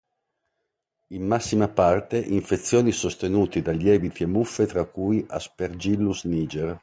In massima parte infezioni sostenute da lieviti e muffe tra cui "Aspergillus niger.